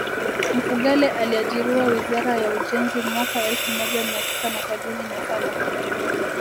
Mfugale aliajiriwa wizara ya ujenzi mwaka elfu moja mia tisa na sabini na saba